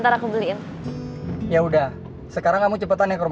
ray selalu ada buat aku